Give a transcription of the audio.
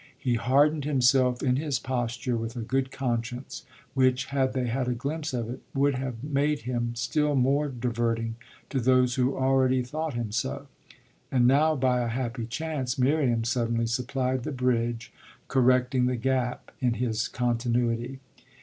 He hardened himself in his posture with a good conscience which, had they had a glimpse of it, would have made him still more diverting to those who already thought him so; and now, by a happy chance, Miriam suddenly supplied the bridge correcting the gap in his continuity.